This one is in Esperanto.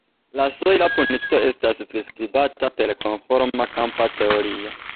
La sojla punkto estas priskribata per konforma kampa teorio.